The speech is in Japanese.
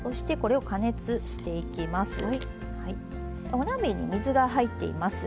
お鍋に水が入っています。